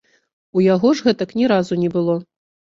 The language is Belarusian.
У яго ж гэтак ні разу не было.